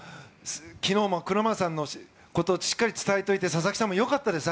昨日もクラマーさんのことをしっかり伝えておいて佐々木さんもよかったです。